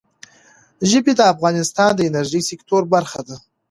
ژبې د افغانستان د انرژۍ سکتور برخه ده.